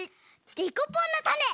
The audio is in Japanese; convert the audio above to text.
デコポンのたね！